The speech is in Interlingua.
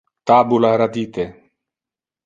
Tabula radite.